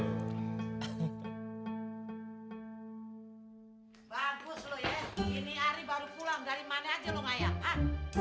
bagus lu ya ini hari baru pulang dari mana aja lu ngayak